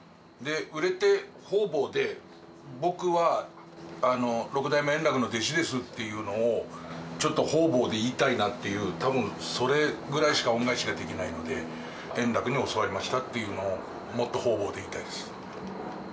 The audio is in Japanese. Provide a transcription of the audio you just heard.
売れて、方々で、僕は六代目円楽の弟子ですっていうのを、ちょっと方々で言いたいなっていう、たぶんそれぐらいしか恩返しができないので、円楽に教わりましたっていうのを、もっと方々で言いたいです。